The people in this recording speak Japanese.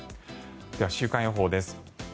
では、週間予報です。